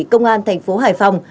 công an thành phố hải phòng